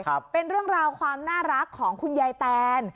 ครับเป็นเรื่องราวความน่ารักของคุณยายแตน